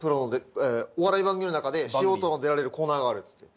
お笑い番組の中で素人の出られるコーナーがあるっつって。